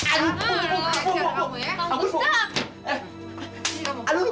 aduh bu bu bu bu